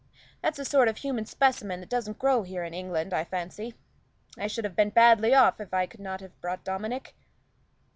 That's a sort of human specimen that doesn't grow here in England, I fancy. I should have been badly off if I could not have brought Dominic."